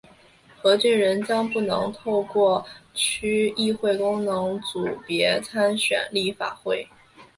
何俊仁将不能透过区议会功能组别参选立法会。